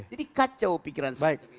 jadi kacau pikiran saya